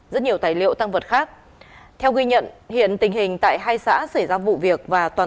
rất nhiều tài liệu tăng vật khác theo ghi nhận hiện tình hình tại hai xã xảy ra vụ việc và toàn